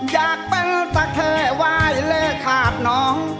อยากเป็นตะเทวายเลขาดน้อง